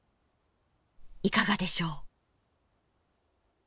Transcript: いかがでしょう？